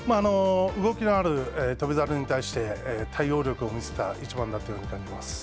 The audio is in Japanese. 動きのある翔猿に対して対応力を見せた一番だったように感じます。